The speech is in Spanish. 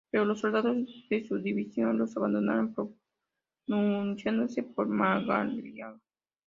Pero los soldados de su división los abandonaron, pronunciándose por Madariaga.